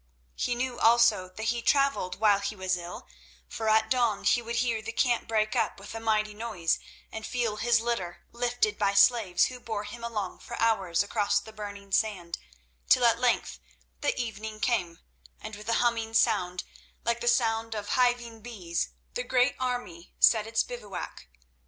He knew also that he travelled while he was ill, for at dawn he would hear the camp break up with a mighty noise, and feel his litter lifted by slaves who bore him along for hours across the burning sand, till at length the evening came, and with a humming sound, like the sound of hiving bees, the great army set its bivouac.